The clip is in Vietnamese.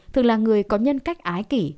thường là người có nhân cách ái kỷ